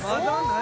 何？